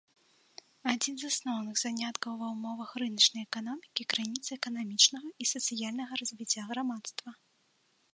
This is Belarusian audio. Адзін з асноўных заняткаў ва ўмовах рыначнай эканомікі, крыніца эканамічнага і сацыяльнага развіцця грамадства.